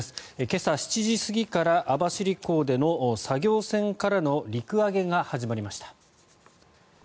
今朝７時過ぎから網走港での作業船からの陸揚げが始まりました。